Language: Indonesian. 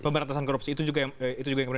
pemberantasan korupsi itu juga yang kemudian